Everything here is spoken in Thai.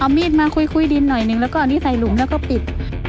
มีดมาคุยดินหน่อยหนึ่งแล้วก็อันนี้ใส่หลุมแล้วก็ปิด